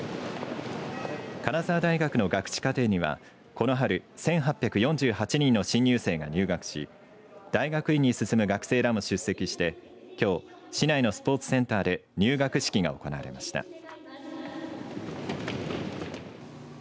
金沢大学の学士課程にはこの春、１８４８人の新入生が入学し大学院に進む学生らも出席してきょう市内のスポーツセンターで入学式が行われました。